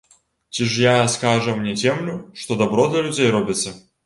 Ці ж я, скажам, не цямлю, што дабро для людзей робіцца?